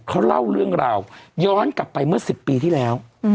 เขาเล่าเรื่องราวย้อนกลับไปเมื่อ๑๐ปีที่แล้ว